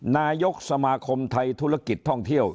นายกสมาคมไทยธุรกิจท่องเที่ยว